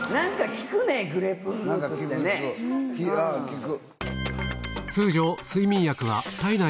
聞く。